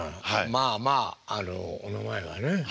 まあまあお名前はね。